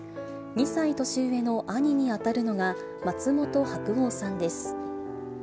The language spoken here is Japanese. ２歳年上の兄に当たるのが、松本白鸚さんです。